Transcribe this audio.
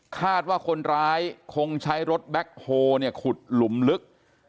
คาดว่าคนร้ายคงใช้รถแบ็คโฮลขุดหลุมลึก